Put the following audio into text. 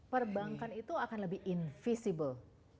perbankan itu akan lebih invisible